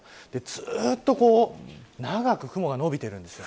ずっと長く雲がのびているんです。